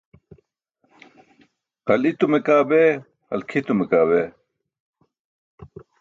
Hal i̇tume kaa bee, hal kʰitume kaa bee.